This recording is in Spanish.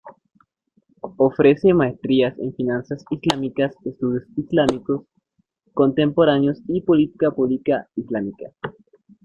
Ofrece maestrías en finanzas islámicas, estudios islámicos contemporáneos y política pública islámica.